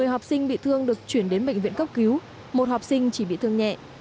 một mươi học sinh bị thương được chuyển đến bệnh viện cấp cứu một học sinh chỉ bị thương nhẹ